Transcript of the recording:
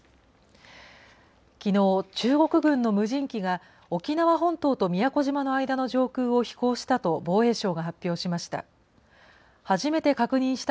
きのう、中国軍の無人機が、沖縄本島と宮古島の間の上空を飛行したと防衛省が発表しました。